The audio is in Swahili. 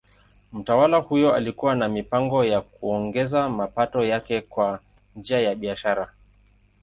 Mtawala huyo alikuwa na mipango ya kuongeza mapato yake kwa njia ya biashara.